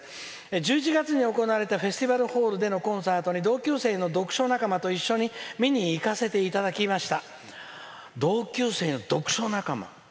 「１１月に行われたフェスティバルホールのコンサートに同級生の読書仲間と一緒に一緒に見に行かせていただきました」。